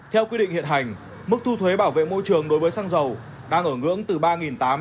theo quy định hiện hành mức thu thuế bảo vệ môi trường đối với xăng dầu đang ở ngưỡng từ ba tám trăm linh đến bốn đồng một lít